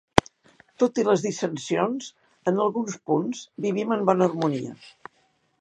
Tot i les dissensions en alguns punts, vivim en bona harmonia.